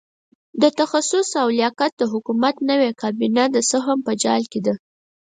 د تخصص او لیاقت د حکومت نوې کابینه د سهم په جال کې ده.